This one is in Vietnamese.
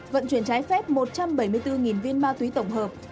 vận chuyển trái phép một trăm bảy mươi bốn viên ma túy tổng hợp